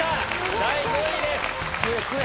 第５位です！